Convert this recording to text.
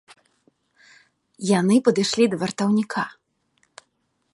Яны падышлі да вартаўніка.